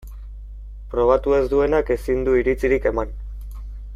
Probatu ez duenak ezin du iritzirik eman.